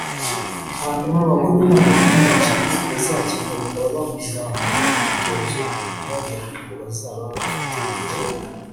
hanyuma babona hari nk’ umukinnyi bazakenera bakaba bamuzamura mu myitozo yihariye kuko bazaba bafite igihe